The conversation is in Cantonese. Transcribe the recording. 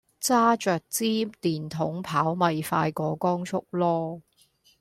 揸著枝電筒跑咪快過光速囉